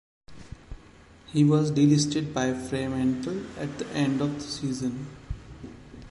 He was delisted by Fremantle at the end of the season.